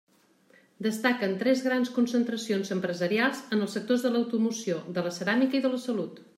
Destaquen tres grans concentracions empresarials en els sectors de l'automoció, de la ceràmica i de la salut.